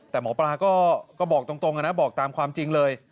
แต่หมอปลาก็บอกตรงนะบอกตามความจริงเลย